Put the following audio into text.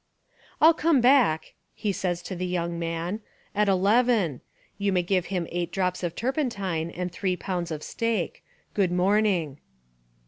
"I'll come back," he says to the young man, "at eleven. You may give him eight drops of turpentine and three pounds of steak. Good morning."